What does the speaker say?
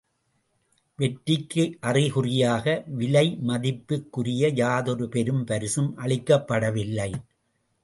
வெற்றிக்கு அறிகுறியாக விலை மதிப்புக்குரிய யாதொரு பெரும் பரிசும் அளிக்கப்படவில்லை.